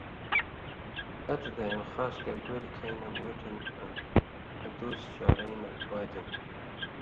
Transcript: ہتہۡ دَھیؤں(خاص کر گولیۡ کھَیں نہ مُوٹھیُوں آں ادوس شارَیں نہ پاتیُوں)۔